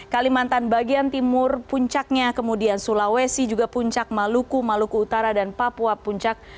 kalimantan bagian timur puncaknya kemudian sulawesi juga puncak maluku maluku utara dan papua puncak